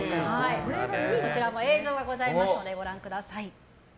こちらも映像がございますのでご覧ください。